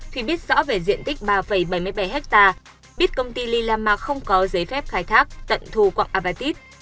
thủy biết rõ về diện tích ba bảy mươi bảy ha biết công ty lillama không có giấy phép khai thác tận thu quặng apartheid